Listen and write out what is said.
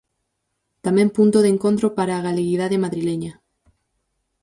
Tamén punto de encontro para a galeguidade madrileña.